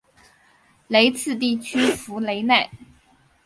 雷茨地区弗雷奈。